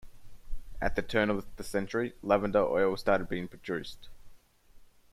At the turn of the century, lavender oil started being produced.